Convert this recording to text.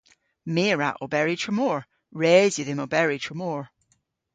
My a wra oberi tramor. Res yw dhymm oberi tramor.